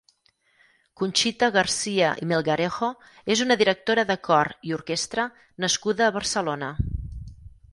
Conxita Garcia i Melgarejo és una directora de cor i orquestra nascuda a Barcelona.